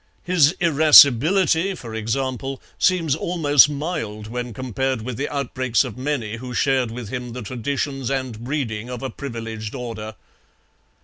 His irascibility, for example, seems almost mild when compared with the outbreaks of many who shared with him the traditions and breeding of a privileged order.